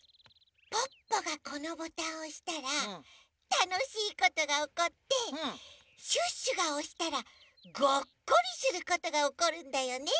ポッポがこのボタンをおしたらたのしいことがおこってシュッシュがおしたらガッカリすることがおこるんだよね。